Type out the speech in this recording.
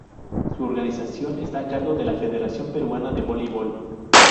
Su organización está a cargo de la Federación Peruana de Voleibol.